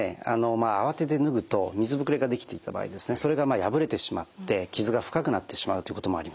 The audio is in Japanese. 慌てて脱ぐと水ぶくれができていた場合それが破れてしまって傷が深くなってしまうということもあります。